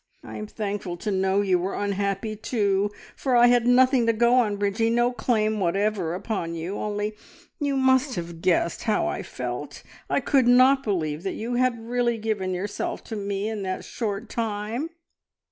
I am thankful to know you were unhappy too, for I had nothing to go on, Bridgie, no claim whatever upon you, only you must have guessed how I felt. I could not believe that you had really given yourself to me in that short time."